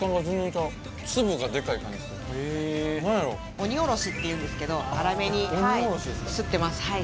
鬼おろしっていうんですけど粗めにすってます。